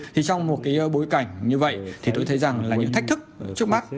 thì trong một cái bối cảnh như vậy thì tôi thấy rằng là những thách thức trước mắt